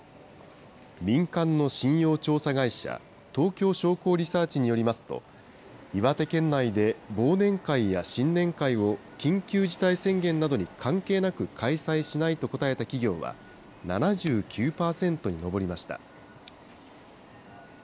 民間の信用調査会社、東京商工リサーチによりますと、岩手県内で忘年会や新年会を緊急事態宣言などに関係なく開催しないと答えた企業は、７９％に上りました。